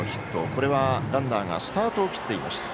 これは、ランナーがスタートを切っていました。